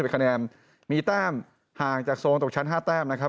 เป็นคะแนนมีแต้มห่างจากโซนตกชั้น๕แต้มนะครับ